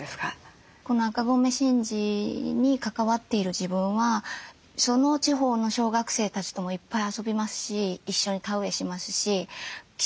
この赤米神事に関わっている自分はその地方の小学生たちともいっぱい遊びますし一緒に田植えしますし集落のおじいさん